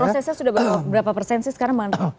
prosesnya sudah berapa persen sih sekarang bang